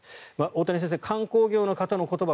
大谷先生、観光業の方の言葉